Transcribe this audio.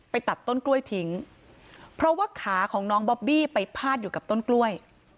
ตัดต้นกล้วยทิ้งเพราะว่าขาของน้องบอบบี้ไปพาดอยู่กับต้นกล้วย